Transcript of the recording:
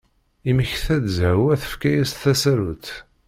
Yemmekta-d Zehwa tefka-as tasarut.